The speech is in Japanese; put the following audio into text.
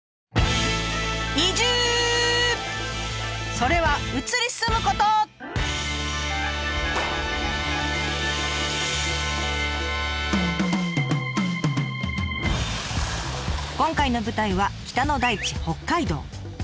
それは今回の舞台は北の大地